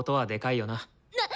なっ！